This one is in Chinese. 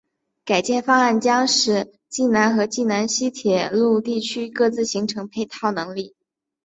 改建方案将使济南和济南西铁路地区各自形成配套能力。